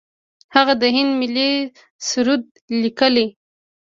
هغه د هند ملي سرود لیکلی.